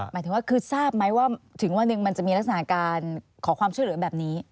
หมายถึงว่าคือทราบไหมว่ามีลักษณะการขอความเชื่อเหลือแบบนี้